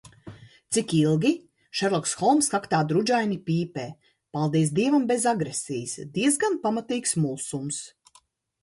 Cik ilgi? Šerloks Holmss kaktā drudžaini pīpē. Paldies Dievam, bez agresijas. Diezgan pamatīgs mulsums.